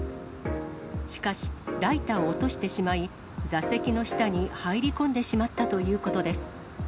しかし、ライターを落としてしまい、座席の下に入り込んでしまったということです。